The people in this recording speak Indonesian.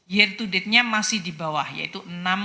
year to datenya masih di bawah yaitu enam enam puluh empat